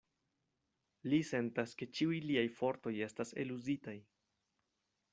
Li sentas, ke ĉiuj liaj fortoj estas eluzitaj.